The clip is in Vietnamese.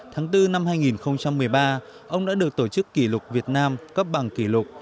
tháng bốn năm hai nghìn một mươi ba ông đã được tổ chức kỷ lục việt nam cấp bằng kỷ lục